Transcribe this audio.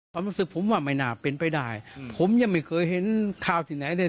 ความรู้สึกผมว่าไม่น่าเป็นไปได้ผมยังไม่เคยเห็นข่าวที่ไหนเลย